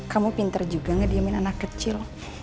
kamu pinter juga ngediemin anak kecil